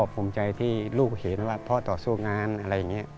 ภูมิใจที่ลูกเห็นว่าพ่อต่อสู้งานอะไรอย่างนี้